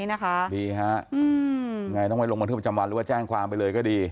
ดีค่ะง่ายต้องไปลงบันทึกประจำวันพี่ทะนากฤทธิ์บอกว่าแจ้งความไปเลยก็ดี